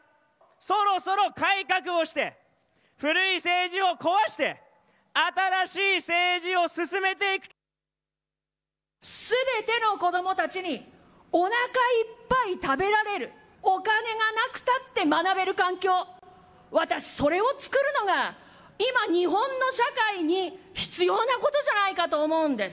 そろそろ改革をして古い政治を壊してすべての子どもたちにおなかいっぱい食べられる、お金がなくたって学べる環境、私、それをつくるのが今、日本の社会に必要なことじゃないかと思うんです。